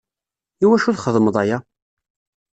I wacu i txedmeḍ aya?